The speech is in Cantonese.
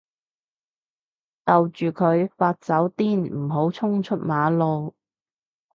逗住佢發酒癲唔好衝出馬路